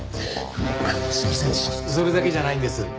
それだけじゃないんです。